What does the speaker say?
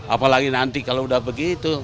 apalagi nanti kalau udah begitu